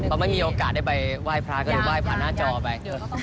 เขาไม่มีโอกาสได้ไปไหว้พระก็เลยไหว้ผ่านหน้าจอไป